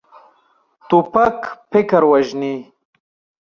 توپک فکر وژني.